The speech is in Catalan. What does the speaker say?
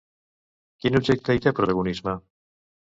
Quin objecte hi té protagonisme?